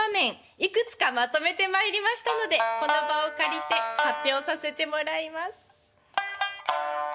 いくつかまとめてまいりましたのでこの場を借りて発表させてもらいます。